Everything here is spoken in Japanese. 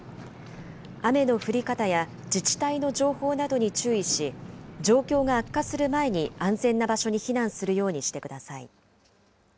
雨の降り方や自治体の情報などに注意し、状況が悪化する前に安全な場所に避難するようにしてください。